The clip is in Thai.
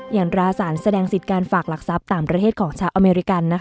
ราสารแสดงสิทธิ์การฝากหลักทรัพย์ต่างประเทศของชาวอเมริกัน